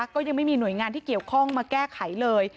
ก็ยังไม่มีหน่วยงานที่เกี่ยวข้องมาแก้ไขเลย